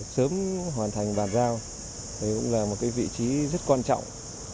sớm hoàn thành bàn giao đấy cũng là một vị trí rất quan trọng